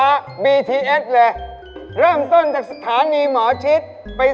มันมีเงินติดตัวไปตอนนี้เอางี้ก็ดีกว่า